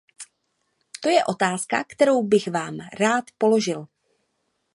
To je otázka, kterou bych vám rád položil.